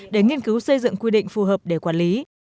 để nghiên cứu xây dựng quy định phù hợp để quản lý